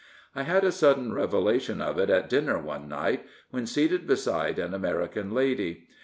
I had a sudden revelation of it at dinner one night when seated beside an American lady.